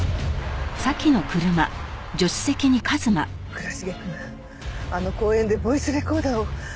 倉重くんあの公園でボイスレコーダーを。